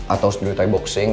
atau studi thai boxing